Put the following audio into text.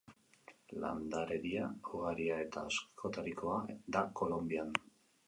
Landaredia ugaria eta askotarikoa da Kolonbian.